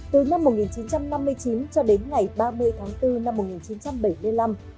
từ năm một nghìn chín trăm năm mươi chín cho đến ngày ba mươi tháng bốn năm một nghìn chín trăm bảy mươi năm